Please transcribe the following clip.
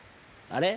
あれ？